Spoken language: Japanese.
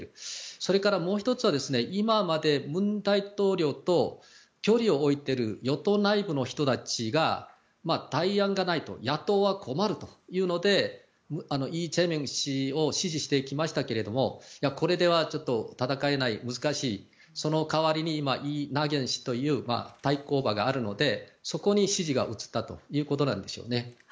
それからもう１つは今まで文大統領と距離を置いている与党内部の人たちが代案がないと野党は困るというのでイ・ジェミョン氏を支持してきましたけどこれでは戦えない難しい、その代わりにイ・ナギョン氏という対抗馬があるのでそこに支持が移ったということなんでしょうね。